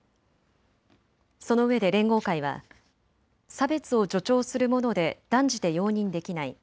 そのうえで連合会は差別を助長するもので断じて容認できない。